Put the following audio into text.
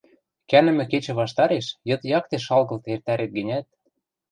Кӓнӹмӹ кечӹ ваштареш йыд якте шалгылт эртӓрет гӹнят